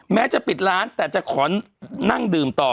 แม้จะปิดร้านแต่จะขอนั่งดื่มต่อ